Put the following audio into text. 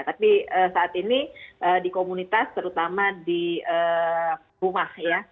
tapi saat ini di komunitas terutama di rumah ya